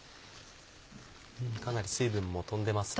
かなり水分も飛んでますね。